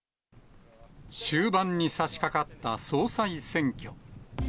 終盤にさしかかった総裁選挙。